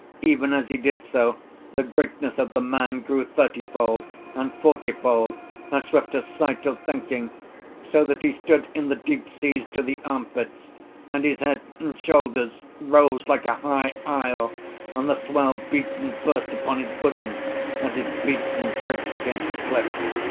Even as he did so, the greatness of the man grew thirty fold and forty fold as swift as sight or thinking, so that he stood in the deep seas to the armpits, and his head and shoulders rose like a high isle, and the swell beat and burst upon his bosom, as it beats and breaks against a cliff.